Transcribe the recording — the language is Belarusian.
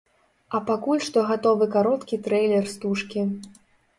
А пакуль што гатовы кароткі трэйлер стужкі.